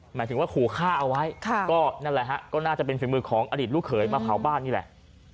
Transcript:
หมายถึงว่าขู่ฆ่าเอาไว้ก็นั่นแหละฮะก็น่าจะเป็นฝีมือของอดีตลูกเขยมาเผาบ้านนี่แหละ